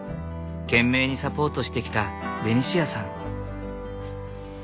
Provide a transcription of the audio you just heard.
懸命にサポートしてきたベニシアさん。